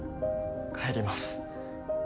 帰ります。